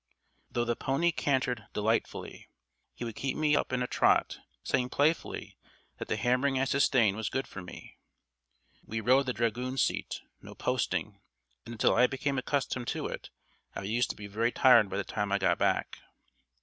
Though the pony cantered delightfully, he would make me keep him in a trot, saying playfully that the hammering I sustained was good for me. We rode the dragoonseat, no posting, and until I became accustomed to it I used to be very tired by the time I got back.